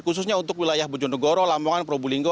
khususnya untuk wilayah bujonegoro lamongan probulinggo